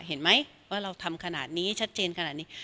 เห็นไหมว่าเราทำขนาดนี้ชัดเจนขนาดนี้